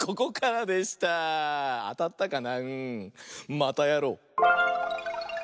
またやろう！